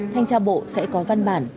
thanh tra bộ sẽ có văn bản